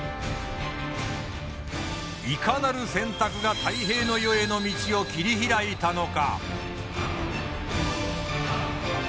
いかなる選択が太平の世への道を切り開いたのか？